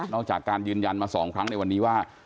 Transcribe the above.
จากการยืนยันมา๒ครั้งในวันนี้ว่า